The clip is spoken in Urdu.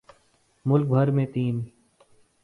ملک بھر میں تین